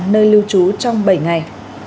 nơi lưu trú trong bảy ngày